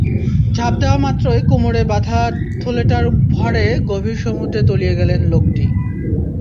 ঝাঁপ দেওয়ামাত্রই কোমরে বাঁধা থলেটার ভারে গভীর সমুদ্রে তলিয়ে গেলেন লোকটি।